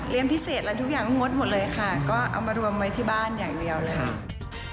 พิเศษอะไรทุกอย่างก็งดหมดเลยค่ะก็เอามารวมไว้ที่บ้านอย่างเดียวเลยค่ะ